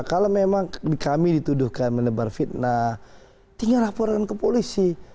kalau memang kami dituduhkan menebar fitnah tinggal laporkan ke polisi